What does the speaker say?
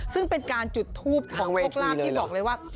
ซึ่งเป็นการจุดทูปขอโชคลาภที่บอกเลยว่า